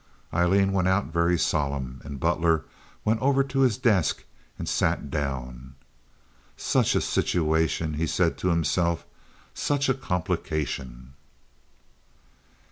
Aileen went out, very solemn, and Butler went over to his desk and sat down. "Such a situation!" he said to himself. "Such a complication!"